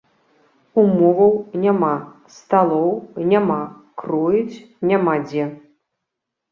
Умоваў няма, сталоў няма, кроіць няма дзе.